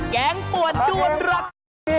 แกงป่วนด้วนราคา